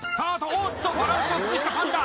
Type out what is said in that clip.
おっとバランスを崩したパンダ